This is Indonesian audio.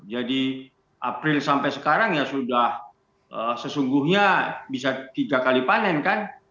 jadi april sampai sekarang ya sudah sesungguhnya bisa tiga kali panen kan